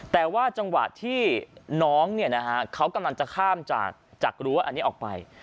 แต่ว่าจังหวะที่น้องเขากำลังจะข้ามจากรั้วอันนี้ออกไป